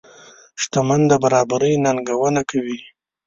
شتمن د برابرۍ ننګونه کوي.